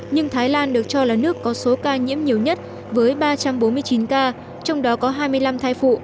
nhưng thái lan được cho là nước có số ca nhiễm nhiều nhất với ba trăm bốn mươi chín ca trong đó có hai mươi năm thai phụ